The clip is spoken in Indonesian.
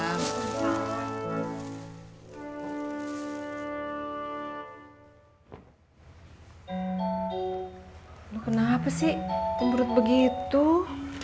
mak mau minta tolong dia nganterin kue kue tuh